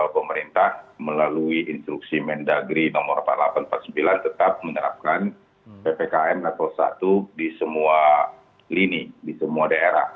pemerintah melalui instruksi mendagri no empat ribu delapan ratus empat puluh sembilan tetap menerapkan ppkm level satu di semua lini di semua daerah